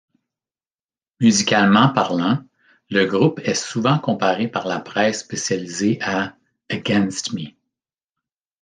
Musicalement parlant, le groupe est souvent comparé par la presse spécialisée à Against Me!